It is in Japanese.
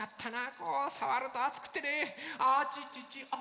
こうさわるとあつくてねあちちちあ